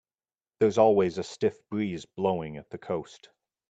There's always a stiff breeze blowing at the coast.